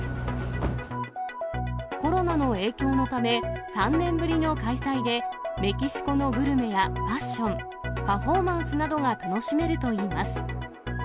コロナの影響のため、３年ぶりの開催で、メキシコのグルメやファッション、パフォーマンスなどが楽しめるといいます。